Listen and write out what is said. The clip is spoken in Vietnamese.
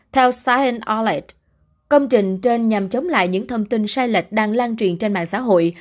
theo sahel công trình trên nhằm chống lại những thông tin sai lệch đang lan truyền trên mạng xã hội